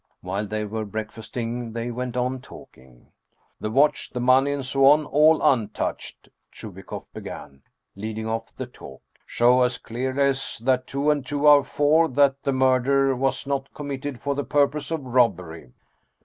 While they were breakfasting they went on talking: " The watch, the money, and so on all untouched " Chubikoff began, leading off the talk, " show as clearly as that two and two are four that the murder was not com mitted for the purpose of robbery."